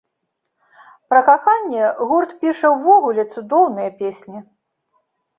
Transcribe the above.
Пра каханне гурт піша ўвогуле цудоўныя песні.